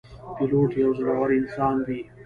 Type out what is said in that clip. پیلوټ یو زړهور انسان وي.